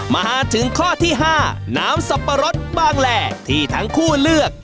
มาถึงข้อที่๕น้ำสับปะรดบางแหล่ที่ทั้งคู่เลือก